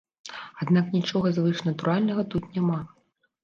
Аднак нічога звышнатуральнага тут няма.